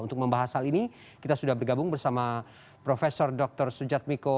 untuk membahas hal ini kita sudah bergabung bersama prof dr sujatmiko